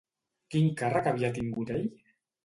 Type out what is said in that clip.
Quin càrrec havia tingut ell?